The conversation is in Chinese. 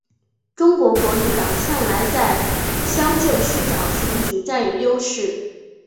中国国民党向来在乡镇市长选举占有优势。